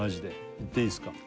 いっていいっすか？